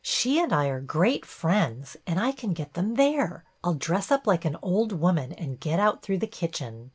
She and I are great friends, and I can get them there. I 'll dress up like an old woman and get out through the kitchen.